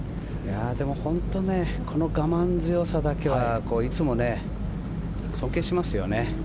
でも本当に我慢強さだけはいつも尊敬しますよね。